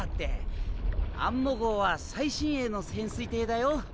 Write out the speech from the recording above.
アンモ号は最新鋭の潜水艇だよ。